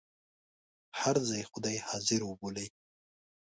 هر ځای خدای حاضر وبولئ.